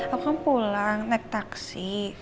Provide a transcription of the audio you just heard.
aku pulang naik taksi